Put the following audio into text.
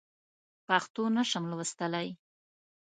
پښتو نه شم لوستلی.